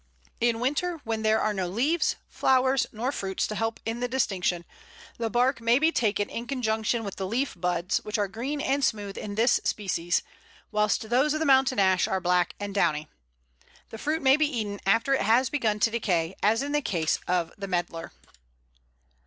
In winter, when there are neither leaves, flowers, nor fruits to help in the distinction, the bark may be taken in conjunction with the leaf buds, which are green and smooth in this species, whilst those of the Mountain Ash are black and downy. The fruit may be eaten after it has begun to decay, as in the case of the Medlar.